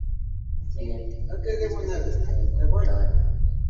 Un brillante Hacker y especialista en computadoras.